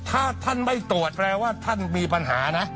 ถ้าท่านไม่ตรวจแปลว่าท่านมีปัญหานะ